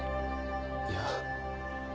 いや。